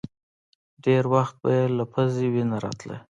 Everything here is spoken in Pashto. ډېر وخت به يې له پزې وينه راتله.